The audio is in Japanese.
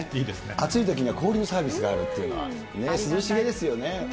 暑いときには氷のサービスがあるっていうのは、涼しげですよね。